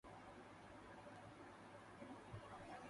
সুরমা কহিল, আর কী হইবে?